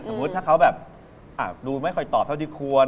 สมมุติถ้าเขาแบบอ้าดูไม่ค่อยตอบเท่าที่ควร